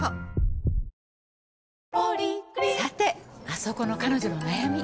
あそこの彼女の悩み。